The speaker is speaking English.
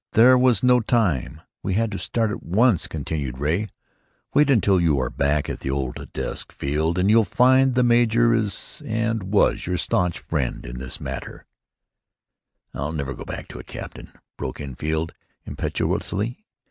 "There was no time. We had to start at once," continued Ray. "Wait until you are back at the old desk, Field, and you'll find the major is, and was, your stanch friend in this matter " "I'll never go back to it, captain!" broke in Field, impetuously.